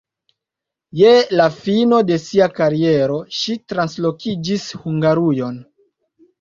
Je la fino de sia kariero ŝi translokiĝis Hungarujon.